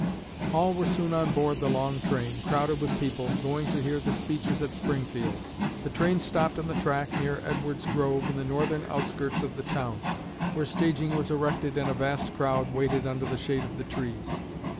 All were soon on board the long train, crowded with people, going to hear the speeches at Springfield. The train stopped on the track, near Edward's Grove, in the northern outskirts of the town, where staging was erected and a vast crowd waited under the shade of the trees.